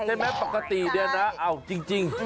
ใช่ไหมปกติเนี่ยนะเอาจริง